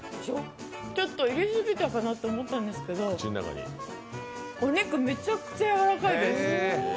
ちょっと入れすぎたかなと思ったんですけどお肉めちゃくちゃやわらかいです。